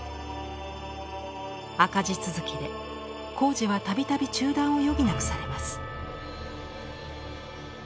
赤字続きで工事は度々中断を余儀なくされます。